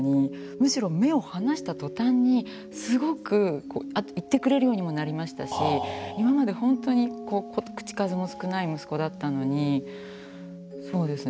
むしろ目を離した途端にすごくこうあと言ってくれるようにもなりましたし今まで本当に口数も少ない息子だったのにそうですね。